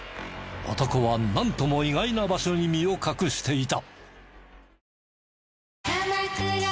男はなんとも意外な場所に身を隠していた。